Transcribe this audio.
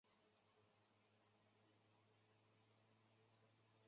大阪府大阪市出身。